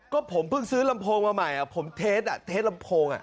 ก็ผมเพิ่งซื้อลำโพงมาใหม่ผมเทสเทสลำโพง